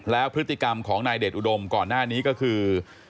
แล้วพฤติกรรมของนายเดชอุดมก่อนหน้านี้ก็คือ